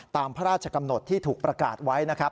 ตามพระราชกำหนดที่ถูกประกาศไว้นะครับ